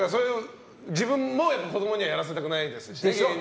自分の子供にはやらせたくないんですよね。